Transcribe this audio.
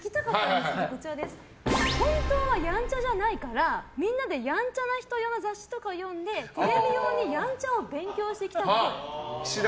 本当はやんちゃじゃないからみんなでやんちゃな人の用の雑誌とかを読んでテレビ用にやんちゃを勉強してきたっぽい。